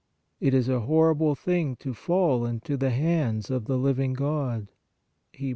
" It is a horrible thing to fall into the hands of the living God" (Hebr.